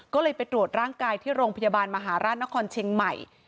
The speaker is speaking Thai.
ก็เลยไปตรวจร่างกายที่โรงพยาบาลมหาราชนครเชียงใหม่